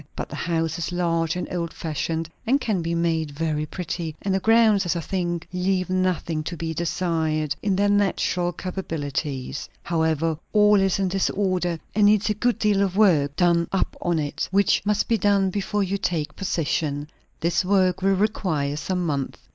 But the house is large and old fashioned, and can be made very pretty; and the grounds, as I think, leave nothing to be desired, in their natural capabilities. However, all is in disorder, and needs a good deal of work done up on it; which must be done before you take possession. This work will require some months.